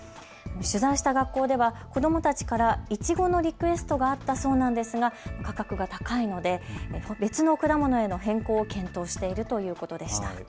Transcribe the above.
取材した学校では子どもたちからいちごのリクエストがあったそうなんですが価格が高いので別の果物への変更を検討しているということでした。